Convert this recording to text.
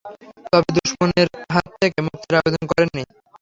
তবে দুশমনের হাত থেকে মুক্তির আবেদন করেননি।